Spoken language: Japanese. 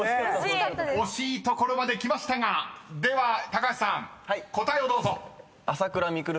［惜しいところまできましたがでは高橋さん答えをどうぞ］